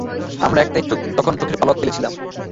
আমার একটাই চোখ, তখন চোখের পলক ফেলেছিলাম।